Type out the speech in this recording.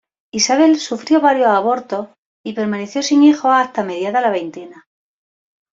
Isabel sufrió varios abortos y permaneció sin hijos hasta mediada la veintena.